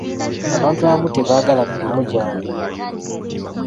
Abantu abamu tebaagala mirimu gyabwe.